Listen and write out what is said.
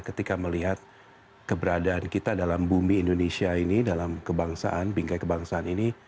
ketika melihat keberadaan kita dalam bumi indonesia ini dalam kebangsaan bingkai kebangsaan ini